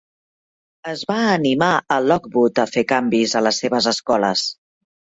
Es va animar a Lockwood a fer canvis a les seves escoles.